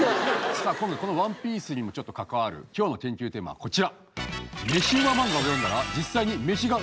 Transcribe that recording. この「ＯＮＥＰＩＥＣＥ」にもちょっと関わる今日の研究テーマはこちら！